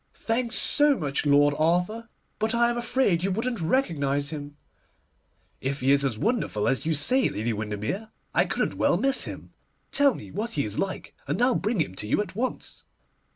'Thanks so much, Lord Arthur; but I am afraid you wouldn't recognise him.' 'If he is as wonderful as you say, Lady Windermere, I couldn't well miss him. Tell me what he is like, and I'll bring him to you at once.